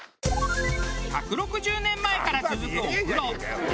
１６０年前から続くお風呂。